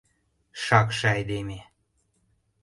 — Шакше айдеме!